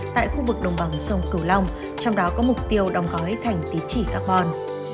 tại khu vực đồng bằng sông cửu long trong đó có mục tiêu đóng gói thành tín chỉ carbon